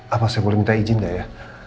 apa saya boleh minta izin gak ya